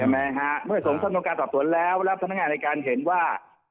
ไหมฮะเมื่อสมสำนวนการสอบสวนแล้วแล้วพนักงานในการเห็นว่า